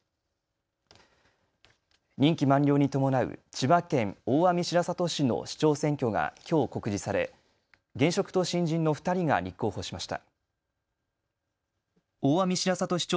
任期満了に伴う千葉県大網白里市の市長選挙がきょう告示され現職と新人の２人が立候補しました。